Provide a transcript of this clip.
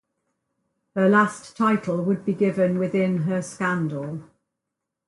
Her last title would be given within her scandal.